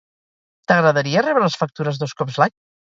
T'agradaria rebre les factures dos cops l'any?